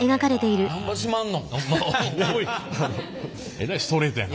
えらいストレートやな！